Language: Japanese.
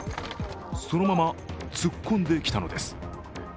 そのまま突っ込んできたのです。